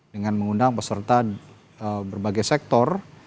dengan mengundang peserta berbagai sektor